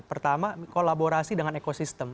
pertama kolaborasi dengan ekosistem